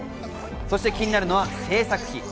そして気になるのは、制作費。